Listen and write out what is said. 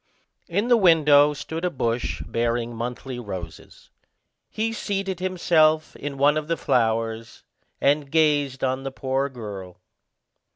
In the window stood a bush bearing monthly roses. He seated himself in one of the flowers, and gazed on the poor girl.